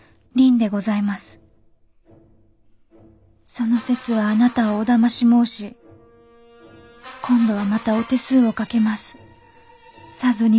その節はあなたをお騙し申し今度はまたお手数をかけます。